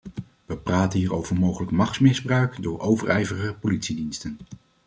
We praten hier over mogelijk machtsmisbruik door overijverige politiediensten.